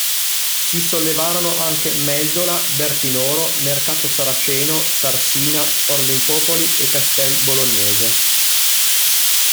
Si sollevarono anche Meldola, Bertinoro, Mercato Saraceno, Sarsina, Forlimpopoli e Castel Bolognese.